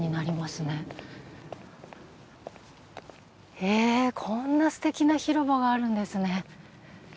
へぇこんなすてきな広場があるんですね。